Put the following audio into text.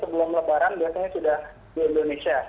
pembeli barang biasanya sudah di indonesia